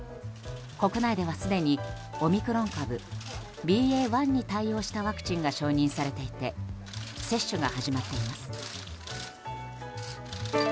国内では、すでにオミクロン株ＢＡ．１に対応したワクチンが承認されていて接種が始まっています。